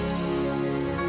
tempat juga soler